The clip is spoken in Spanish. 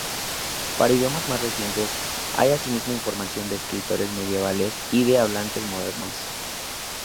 Para idiomas más recientes hay asimismo información de escritores medievales y de hablantes modernos.